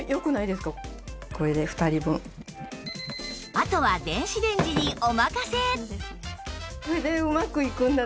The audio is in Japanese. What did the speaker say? あとは電子レンジにお任せ